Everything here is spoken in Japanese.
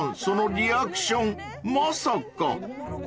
そのリアクションまさか］